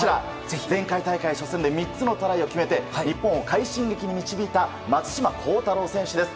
前回大会、３つのトライを決めて日本を快進撃に導いた松島幸太朗選手です。